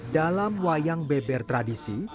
dalam wayang beber tradisi